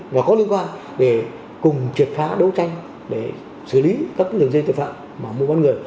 và có liên quan để cùng triệt phá đấu tranh để xử lý các đường dây tội phạm mà mua bán người